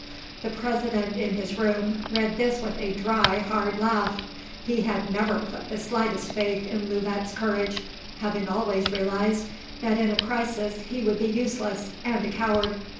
The President in his room read this with a dry, hard laugh. He had never put the slightest faith in Louvet's courage, having always realised that in a crisis he would be useless and a coward.